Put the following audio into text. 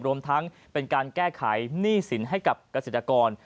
รวมทั้งเป็นการแก้ไขหนี้สินให้กับเกษตรกร